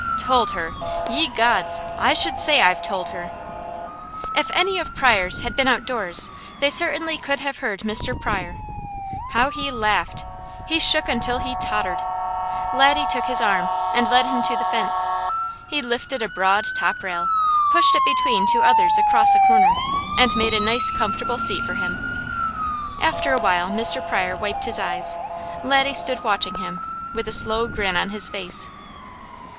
Told her? Ye Gods! I should say I've told her!" If any of Pryors had been outdoors they certainly could have heard Mr. Pryor. How he laughed! He shook until he tottered. Laddie took his arm and led him to the fence. He lifted a broad top rail, pushed it between two others across a corner and made a nice comfortable seat for him. After a while Mr. Pryor wiped his eyes. Laddie stood watching him with a slow grin on his face.